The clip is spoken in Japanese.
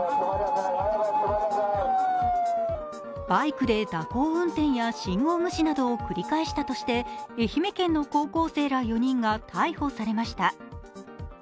バイクで蛇行運転や信号無視などを繰り返したとして愛媛県の高校生ら４人が逮捕されました。